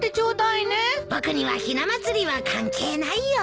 僕にはひな祭りは関係ないよ。